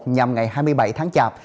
nhằm ngày hai mươi bảy tháng chạp